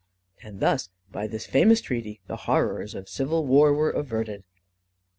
And thus, by this famous treaty, the horrors of civil war were averted!